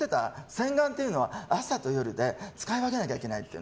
洗顔っていうのは朝と夜で使い分けなきゃいけないって。